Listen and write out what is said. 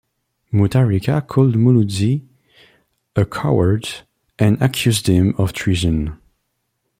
Mutharika called Muluzi a "coward" and accused him of treason.